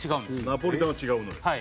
ナポリタンは違うのよ。